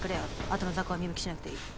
あとの雑魚は見向きしなくていい。